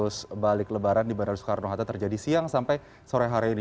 arus balik lebaran di bandara soekarno hatta terjadi siang sampai sore hari ini